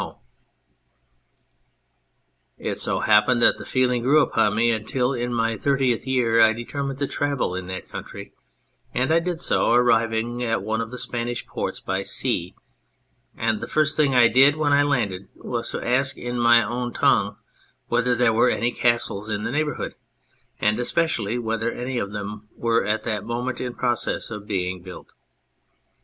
2 On Building Castles in Spain " It so happened that the feeling grew upon me until, in my thirtieth year, I determined to travel in that country, and I did so, arriving at one of the Spanish ports by sea ; and the first thing I did when I had landed was to ask in my own tongue whether there were any castles in the neighbourhood, and especially whether any of them were at that moment in process of being built.